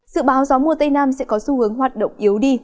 dự báo gió mùa tây nam sẽ có xu hướng hoạt động yếu đi